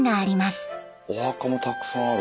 お墓もたくさんある。